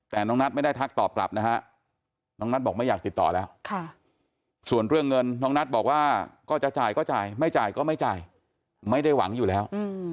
แต่น้องนัทไม่ได้ทักตอบกลับนะฮะน้องนัทบอกไม่อยากติดต่อแล้วส่วนเรื่องเงินน้องนัทบอกว่าก็จะจ่ายก็จ่ายไม่จ่ายก็ไม่จ่ายไม่ได้หวังอยู่แล้ว